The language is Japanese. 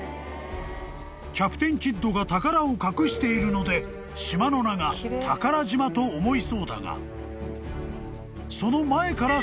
［キャプテン・キッドが宝を隠しているので島の名が宝島と思いそうだが］